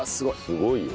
すごいよ。